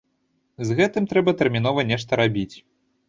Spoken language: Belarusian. З гэтым трэба тэрмінова нешта рабіць.